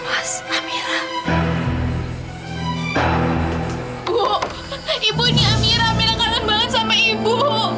amira kangen banget sama ibu